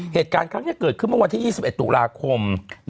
เหตุการณ์ครั้งนี้เกิดขึ้นเมื่อวันที่๒๑ตุลาคม